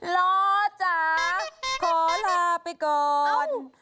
ล้อจ๋าขอลาไปก่อน